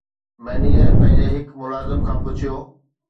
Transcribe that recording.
manager پنهنجي هڪ ملازم کان پڇيو